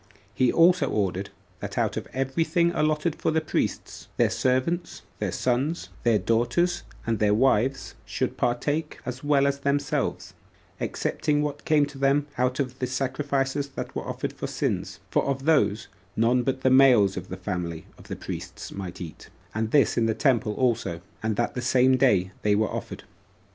He also ordered, that out of every thing allotted for the priests, their servants, [their sons,] their daughters, and their wives, should partake, as well as themselves, excepting what came to them out of the sacrifices that were offered for sins; for of those none but the males of the family of the priests might eat, and this in the temple also, and that the same day they were offered.